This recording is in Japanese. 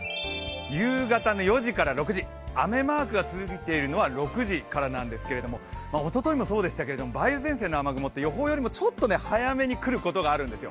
夕方の４時から６時、雨マークがついているのは６時からなんですけどおとといもそうでしたが、梅雨前線の雨雲って予報よりもちょっと早めに来ることがあるんですよ。